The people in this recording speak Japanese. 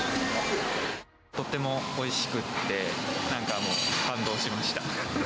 とってもおいしくって、なんかもう、感動しました。